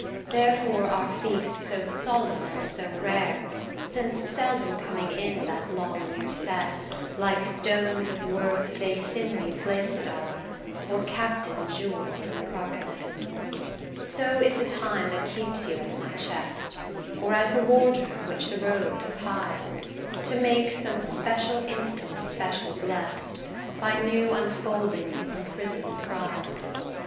Therefore are feasts so solemn and so rare, Since, seldom coming in that long year set, Like stones of worth they thinly placed are, Or captain jewels in the carcanet. So is the time that keeps you as my chest, Or as the wardrobe which the robe doth hide, To make some special instant special blest, By new unfolding his imprison'd pride.